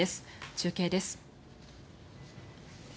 中継です。